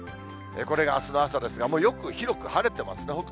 これがあすの朝ですが、もうよく、広く晴れてますね。